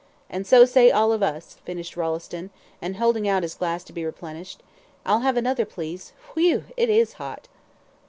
"And so say all of us," finished Rolleston, and holding out his glass to be replenished; "I'll have another, please. Whew, it is hot."